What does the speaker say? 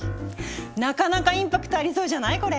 なかなかインパクトありそうじゃないこれ？